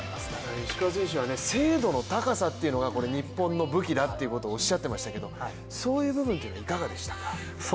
石川選手は精度の高さが日本の武器だということをおっしゃっていましたけれども、そういう部分っていうのはいかがでしたか？